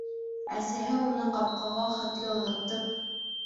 Әсәһе, уны ҡапҡаға хәтле оҙатып: